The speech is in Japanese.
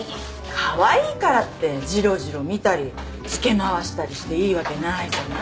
カワイイからってじろじろ見たり付け回したりしていいわけないじゃない。